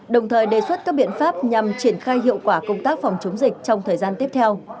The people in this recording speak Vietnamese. đồng thời đề xuất các biện pháp nhằm triển khai hiệu quả công tác phòng chống dịch trong thời gian tiếp theo